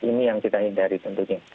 ini yang kita hindari tentunya